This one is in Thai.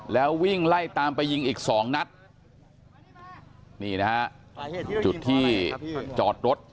แล้ววิ่งไล่ตามไปยิงอีกสองนัดนี่นะฮะจุดที่จอดรถ